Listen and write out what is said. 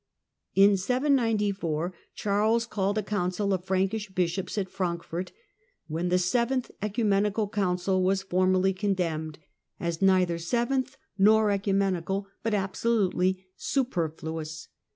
In 794 Charles called a council of Frankish bishops at Frankfort, when the seventh Ecumenical Council was formally condemned as " neither seventh nor ecu menical, but absolutely superfluous